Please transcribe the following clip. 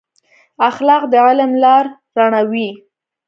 اخلاق د علم لار رڼوي.